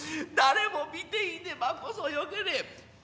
誰も見て居ねばこそよけれ。